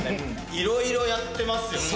いろいろやってますよね。